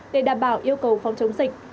để đảm bảo yêu cầu phòng chống dịch